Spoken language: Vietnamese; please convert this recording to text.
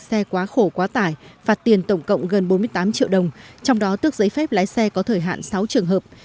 xe quá khổ quá tải phạt tiền tổng cộng gần bốn mươi tám triệu đồng trong đó tước giấy phép lái xe có thời hạn sáu trường hợp